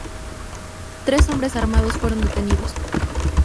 Tres hombres armados fueron detenidos.